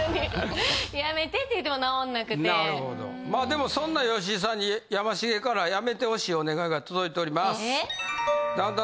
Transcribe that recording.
でもそんな吉井さんにやましげからやめてほしいお願いが届いております。